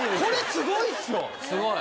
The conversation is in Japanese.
すごい。